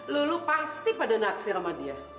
lulu pasti pada naksir sama dia